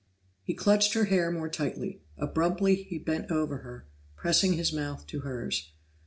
He clutched her hair more tightly; abruptly he bent over her, pressing his mouth to hers.